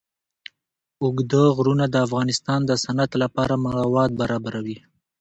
اوږده غرونه د افغانستان د صنعت لپاره مواد برابروي.